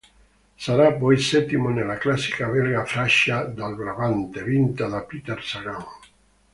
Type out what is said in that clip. Sarà poi settimo nella classica belga Freccia del Brabante vinta da Peter Sagan.